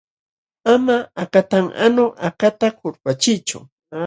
Ama akatanqanu akata kulpachiychu.